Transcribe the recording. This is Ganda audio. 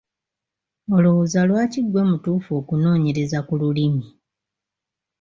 Olowooza lwaki ggwe mutuufu okunoonyereza ku lulimi?